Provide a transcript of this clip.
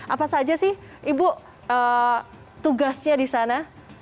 apa saja sih ibu tugasnya di sana